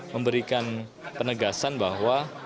memberikan penegasan bahwa